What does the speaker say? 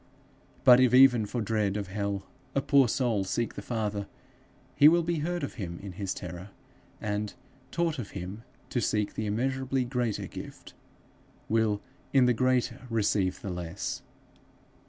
But if even for dread of hell a poor soul seek the Father, he will be heard of him in his terror, and, taught of him to seek the immeasurably greater gift, will in the greater receive the less.